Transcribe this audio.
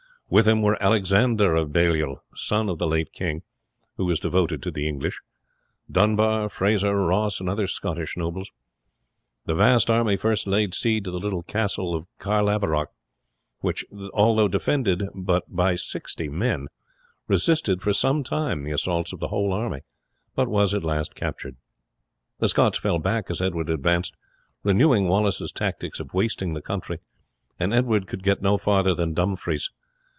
With him were Alexander of Baliol, son of the late king, who was devoted to the English; Dunbar, Fraser, Ross, and other Scottish nobles. The vast army first laid siege to the little castle of Carlaverock, which, although defended by but sixty men, resisted for some time the assaults of the whole army, but was at last captured. The Scots fell back as Edward advanced, renewing Wallace's tactics of wasting the country, and Edward could get no further than Dumfries.